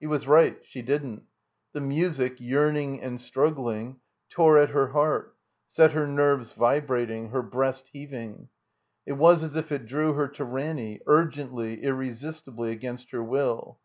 He was right. She didn't. The music, yearning and struggling, tore at her heart, set her nerves vibrating, her breast heaving. It was as if it drew her to Ranny, urgently, irresistibly, against her will.